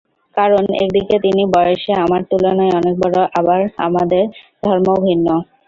কারণ, একদিকে তিনি বয়সে আমার তুলনায় অনেক বড়, আবার আমাদের ধর্মও ভিন্ন।